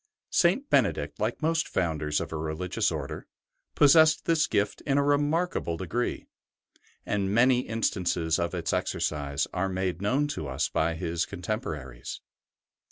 St. Bene dict, like most founders of a religious Order, possessed this gift in a remarkable degree, and many instances of its exercise are made known to us by his contemporaries.